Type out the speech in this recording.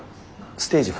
ステージ４？